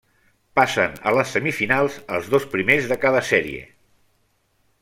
Passen a les semifinals els dos primers de cada sèrie.